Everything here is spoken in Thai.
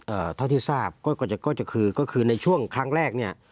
เท่าที่ทราบก็จะก็จะคือก็คือในช่วงครั้งแรกเนี้ย